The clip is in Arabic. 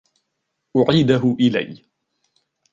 أعيده إلي.